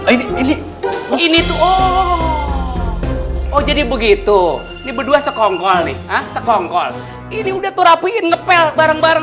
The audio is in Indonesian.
ini ini tuh oh jadi begitu ini berdua sekongkol nih sekongkol ini udah tuh rapihin ngepel bareng bareng